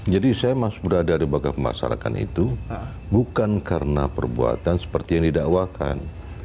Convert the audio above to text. jadi saya masuk berada di lembaga masyarakat itu bukan karena perbuatan seperti yang didakwakan